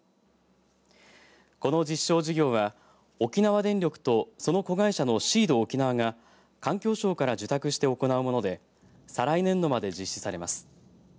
この実証事業は沖縄電力とその子会社のシードおきなわが環境省から受託して行うもので再来年度まで実施されます。